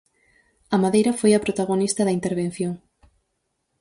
A madeira foi a protagonista da intervención.